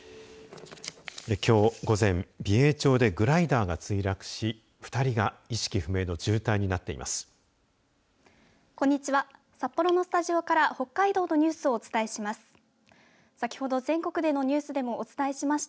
きょう午前美瑛町でグライダーが墜落し２人が意識不明の重体になっています。